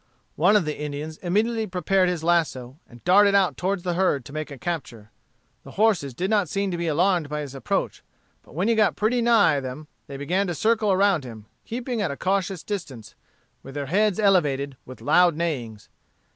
One of the Indians immediately prepared his lasso, and darted out toward the herd to make a capture. The horses did not seem to be alarmed by his approach, but when he got pretty nigh them they began to circle around him, keeping at a cautious distance, with their heads elevated and with loud neighings.